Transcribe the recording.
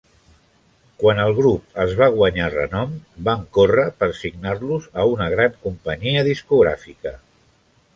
Quan el grup es va guanyar renom, van córrer per signar-los a una gran companyia discogràfica.